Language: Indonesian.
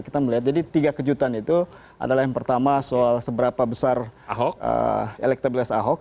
kita melihat jadi tiga kejutan itu adalah yang pertama soal seberapa besar elektabilitas ahok